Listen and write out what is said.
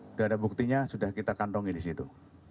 sudah ada buktinya sudah kita kantongi di situ